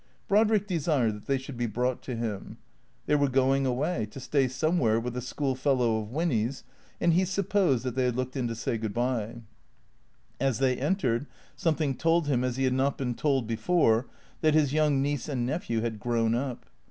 Brodrick desired that they should be brought to him. They were going away, to stay somewhere with a school fellow of Winny's, and he supposed that they had looked in to say good bye. As they entered something told him, as he had not been told before, that his young niece and nephew had grown up.